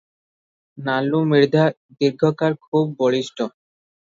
ନାଲୁ ମିର୍ଦ୍ଧା ଦୀର୍ଘାକାର ଖୁବ୍ ବଳିଷ୍ଠ ।